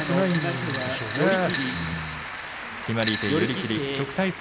決まり手は寄り切りです。